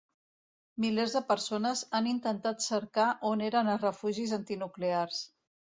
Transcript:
Milers de persones han intentat cercar on eren els refugis antinuclears.